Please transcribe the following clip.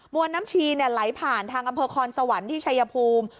วนน้ำชีไหลผ่านทางอำเภอคอนสวรรค์ที่ชัยภูมิ